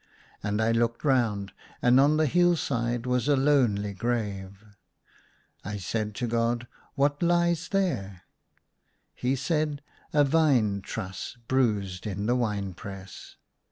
And I looked round ; and on the hill side was a lonely grave. I said to God, " What lies there }" He said, "A vine truss, bruised in the wine press